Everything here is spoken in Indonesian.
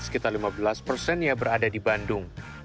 sekitar lima belas persennya berada di bandung